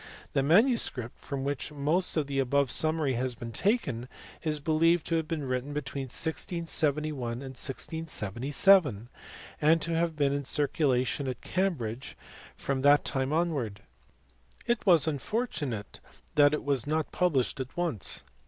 The manuscript, from which most of the above summary has been taken, is believed to have been written between 1671 and 1677, and to have been in circulation at Cambridge from that time onwards. It was unfortunate that it was not published at once.